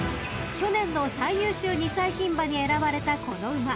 ［去年の最優秀２歳牝馬に選ばれたこの馬］